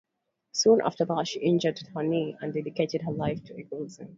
Soon after that, she injured her knee and dedicated her life to Equestrianism.